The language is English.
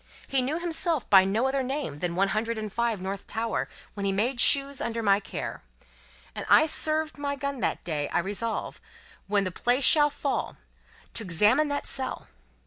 He knew himself by no other name than One Hundred and Five, North Tower, when he made shoes under my care. As I serve my gun that day, I resolve, when the place shall fall, to examine that cell.